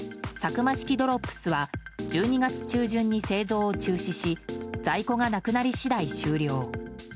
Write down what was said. サクマ式ドロップスは１２月中旬に製造を中止し在庫がなくなり次第終了。